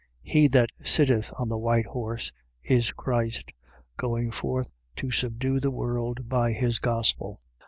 . .He that sitteth on the white horse is Christ, going forth to subdue the world by his gospel.